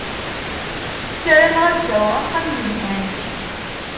Sarameɣ ad sɛuɣ axxam yelhan.